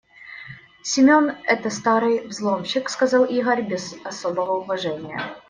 «Семён - это старый взломщик», - сказал Игорь без особого уважения.